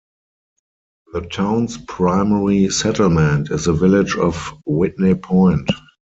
The town's primary settlement is the village of Whitney Point.